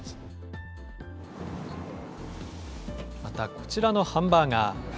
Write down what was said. また、こちらのハンバーガー。